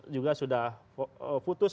juga sudah putus